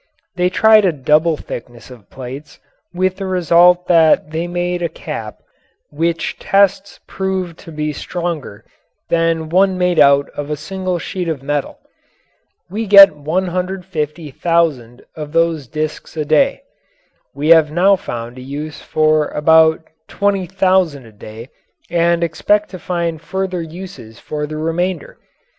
They tried a double thickness of plates, with the result that they made a cap which tests proved to be stronger than one made out of a single sheet of metal. We get 150,000 of those discs a day. We have now found a use for about 20,000 a day and expect to find further uses for the remainder.